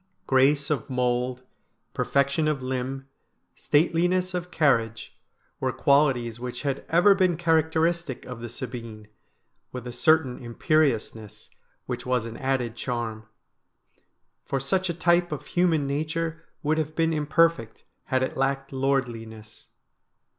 Grace of mould, perfection of limb, stateliness of carriage, were qualities which had ever been characteristic of the Sabine, with a certain imperiousness, which was an added charm ; for such a type of human nature would have been imperfect had it lacked lordliness.